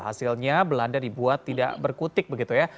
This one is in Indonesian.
hasilnya belanda dibuat tidak berkutik begitu ya